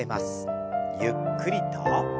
ゆっくりと。